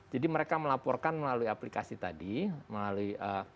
jadi mereka melaporkan melalui aplikasi tadi melalui